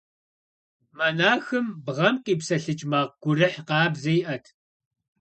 Монахым бгъэм къипсэлъыкӀ макъ гурыхь къабзэ иӀэт.